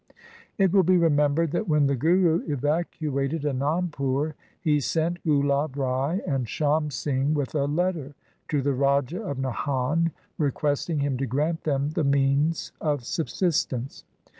It will be remembered that when the Guru evacuated Anandpur, he sent Gulab Rai and Sham Singh with a letter to the Raja of Nahan requesting him to grant them the means of subsistence.